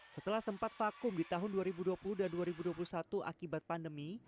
setelah sempat vakum di tahun dua ribu dua puluh dan dua ribu dua puluh satu akibat pandemi